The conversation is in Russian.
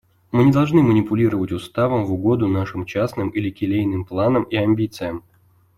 Мы не должны манипулировать Уставом в угоду нашим частным или келейным планам и амбициям.